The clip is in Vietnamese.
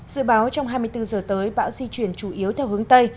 dự báo trong hai mươi bốn giờ tới bão di chuyển chủ yếu theo hướng tây